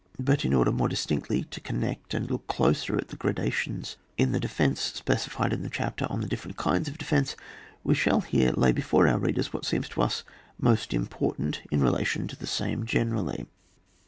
But in order more distinctly to connect and look closer at the gradations in the defence specified in the chapter on the different kinds of defence, we shall here lay before our readers what seems to us most important, in relation to the same generally.